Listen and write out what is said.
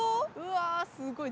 わあ、すごい。